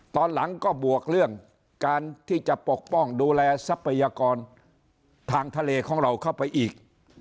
ตอนหลังก็บวกเรื่องการที่จะปกป้องดูแลทรัพยากรทางทะเลของเราเข้าไปอีก